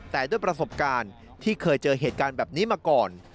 แต่ด้วยประสบการณ์ที่เคยเจอเหตุการณ์แบบนี้มาก่อน